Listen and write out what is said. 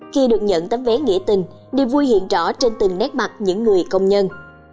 khi được nhận tấm vé nghĩa tình niềm vui hiện rõ trên từng nét mặt những người công nhân